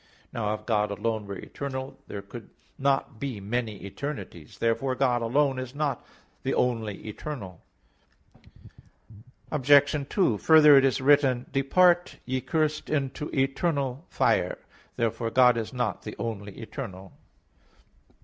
Now if God alone were eternal, there could not be many eternities. Therefore God alone is not the only eternal. Obj. 2: Further, it is written "Depart, ye cursed into eternal [Douay: 'everlasting'] fire" (Matt. 25:41). Therefore God is not the only eternal.